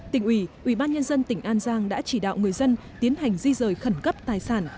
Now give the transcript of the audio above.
tỉnh ủy ủy ban nhân dân tỉnh an giang đã chỉ đạo người dân tiến hành di rời khẩn cấp tài sản